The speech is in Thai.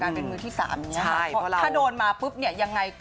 เรื่องการเป็นมือที่สาม